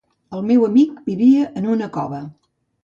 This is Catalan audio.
El meu amic vivia en una cova.